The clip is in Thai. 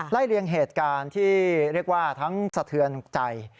เลียงเหตุการณ์ที่เรียกว่าทั้งสะเทือนใจ